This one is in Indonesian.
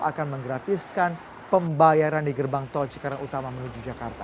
akan menggratiskan pembayaran di gerbang tol cikarang utama menuju jakarta